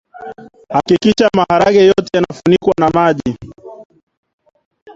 hakikisha maharage yote yanafunikwa na maji